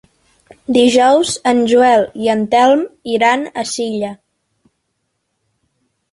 Dijous en Joel i en Telm iran a Silla.